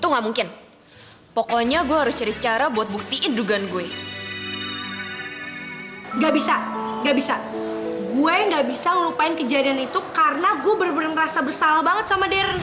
gue gak bisa ngelupain kejadian itu karena gue bener bener merasa bersalah banget sama darren